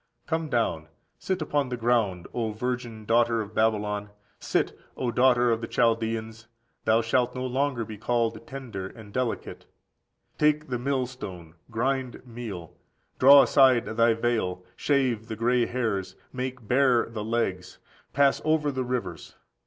"Come down, sit upon the ground, O virgin daughter of Babylon; sit, O daughter of the Chaldeans; thou shalt no longer be called tender and delicate. Take the millstone, grind meal, draw aside thy veil,14711471 For ἀναξύρισον others read ἀνακάλυψαι = uncover. shave the grey hairs, make bare the legs, pass over the rivers.